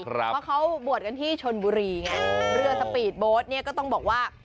เพราะเขาบวชกันที่ชนบุรีไงเรือสปีดโบ๊ทเนี่ยก็ต้องบอกว่า